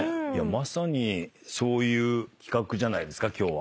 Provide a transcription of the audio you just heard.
まさにそういう企画じゃないですか今日は。